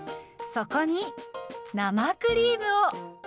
そこに生クリームを。